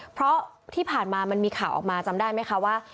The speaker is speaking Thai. เพราะที่ผ่านมามันมีข่าวออกมาจำได้ไหมคะว่า